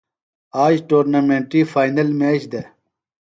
آج ٹورنامنٹی فائنل میچ دےۡ۔